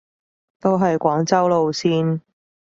都係廣州路線